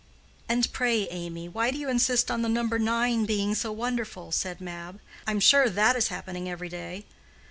"And pray, Amy, why do you insist on the number nine being so wonderful?" said Mab. "I am sure that is happening every day.